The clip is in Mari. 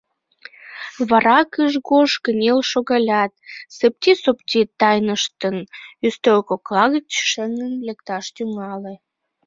Вара кыж-гож кынел шогалят, сыпти-сопти тайныштын, ӱстел кокла гыч шеҥын лекташ тӱҥале.